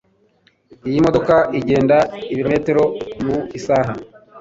Iyi modoka igenda ibirometero mu isaha.